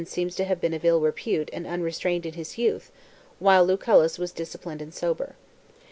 seems to have been of ill repute and un restrained in his youth, while Lucullus was dis ciplined and sober.